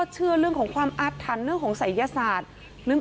เชื่อเรื่องของความอาถรรพ์เรื่องของศัยยศาสตร์